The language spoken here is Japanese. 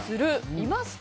いますか？